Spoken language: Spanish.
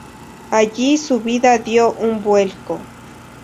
Allí su vida dio un vuelco.